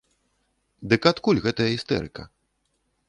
Дык адкуль гэтая істэрыка?